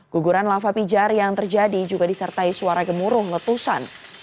guguran lava pijar yang terjadi juga disertai suara gemuruh letusan